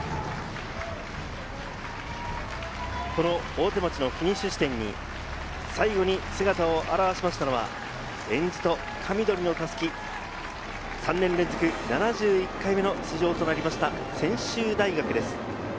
大手町のフィニッシュ地点に最後に姿を現したのはえんじと深緑の襷、３年連続７１回目の出場となりました専修大学です。